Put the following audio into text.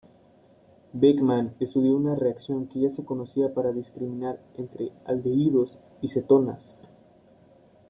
Beckmann estudió una reacción que ya se conocía para discriminar entre aldehídos y cetonas.